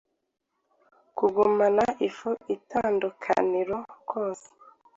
Kugumana ifu Itandukaniro rwose